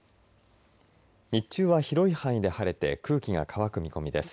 日中は広い範囲で晴れて空気が乾く見込みです。